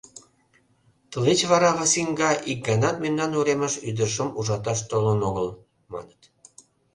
Тылеч вара Васинга ик ганат мемнан уремыш ӱдыржым ужаташ толын огыл, маныт.